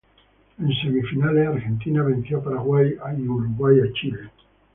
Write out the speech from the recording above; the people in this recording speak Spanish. En semifinales Argentina venció a Paraguay y Uruguay a Chile.